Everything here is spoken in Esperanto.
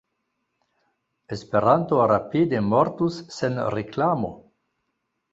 Esperanto rapide mortus sen reklamo.